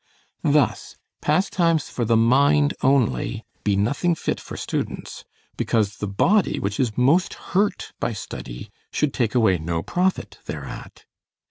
Thus pastimes for the mind only be nothing fit for students, because the body, which is most hurt by study, should take away no profit thereat.